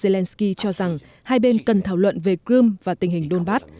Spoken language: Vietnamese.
tổng thống ukraine vladimir zelenskyy cho rằng hai bên cần thảo luận về crimea và tình hình đôn bắc